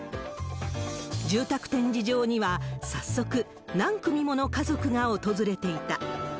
住宅展示場には早速、何組もの家族が訪れていた。